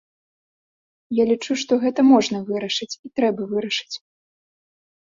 Я лічу, што гэта можна вырашыць, і трэба вырашыць.